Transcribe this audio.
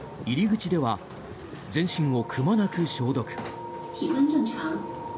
入り口では全身をくまなく消毒。